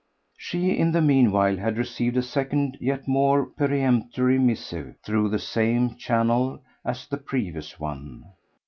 She in the meanwhile had received a second, yet more peremptory, missive through the same channel as the previous one.